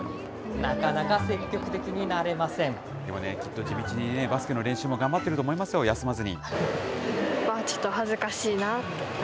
なかなか積極的にでもね、きっと地道にバスケの練習も頑張ってると思いますよ、休まずに。